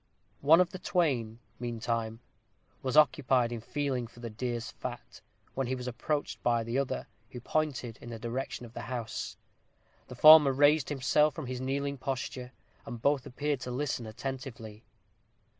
One of the twain, meantime, was occupied in feeling for the deer's fat, when he was approached by the other, who pointed in the direction of the house. The former raised himself from his kneeling posture, and both appeared to listen attentively.